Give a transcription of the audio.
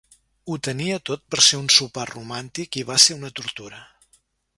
Ho tenia tot per ser un sopar romàntic i va ser una tortura.